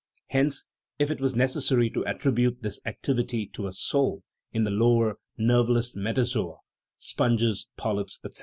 Hence, if it was necessary to attribute this activity to a " soul " in the lower, nerveless metazoa (sponges, polyps, etc.)